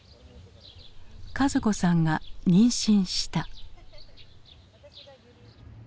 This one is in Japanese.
一子さんが妊娠した。